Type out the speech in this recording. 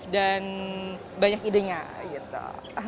dan banyak idenya gitu